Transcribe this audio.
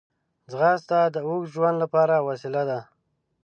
ځغاسته د اوږد ژوند لپاره وسیله ده